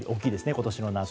今年の夏。